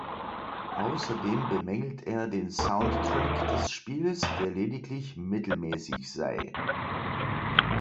Außerdem bemängelt er den Soundtrack des Spiels, der lediglich mittelmäßig sei.